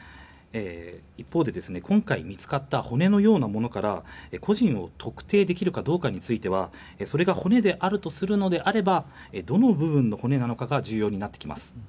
一方で今回見つかった骨のようなものから個人を特定できるかどうかについてはそれが骨であるとするのであればどの部分の骨なのかが重要になってきます。